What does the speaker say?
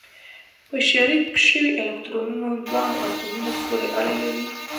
په شریک شوي الکترونونه دواړو اتومونو پورې اړه لري.